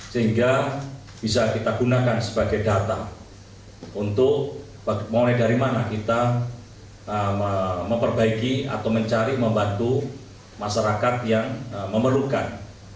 sehingga bisa kita gunakan sebagai data untuk mulai dari mana kita memperbaiki atau mencari membantu masyarakat yang memerlukan